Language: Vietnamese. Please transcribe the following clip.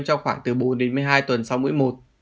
trong khoảng từ bốn đến một mươi hai tuần sau mỗi một